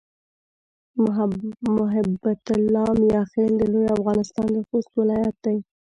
محبت الله "میاخېل" د لوی افغانستان د خوست ولایت دی.